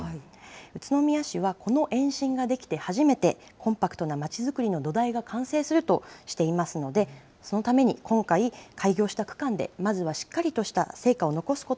宇都宮市はこの延伸ができて初めてコンパクトなまちづくりの土台が完成するとしていますので、そのために今回、開業した区間でまずはしっかりとした成果を残すこ